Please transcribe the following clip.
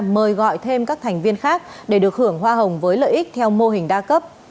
mời gọi thêm các thành viên khác để được hưởng hoa hồng với lợi ích theo mô hình đa cấp